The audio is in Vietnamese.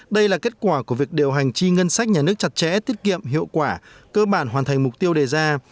đây là kết quả của việc điều hành chi ngân sách nhà nước chặt chẽ tiết kiệm hiệu quả cơ bản hoàn thành mục tiêu đề ra